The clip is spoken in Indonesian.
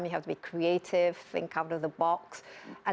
kamu harus kreatif berpikir di bawah kotak